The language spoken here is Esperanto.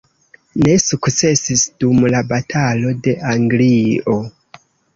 Ne sukcesis dum la batalo de Anglio.